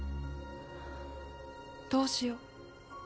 どうしよう。